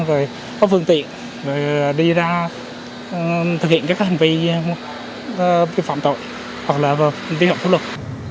rồi có phương tiện rồi đi ra thực hiện các hành vi phạm tội hoặc là đi hợp pháp luật